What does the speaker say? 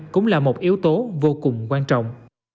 cũng là một yếu tố vô cùng quan trọng